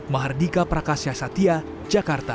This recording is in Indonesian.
mahardika prakasya satya jakarta